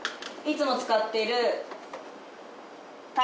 いつも使っている。